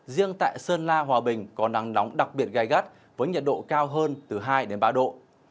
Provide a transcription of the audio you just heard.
riêng tại sơn la hòa bình có nắng nóng đặc biệt gai gắt với nhiệt độ cao hơn từ hai đến ba độ